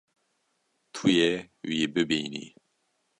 Tu yê wî bibînî.